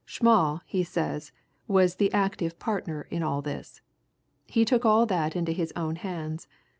Schmall, he says, was the active partner in all this he took all that into his own hands.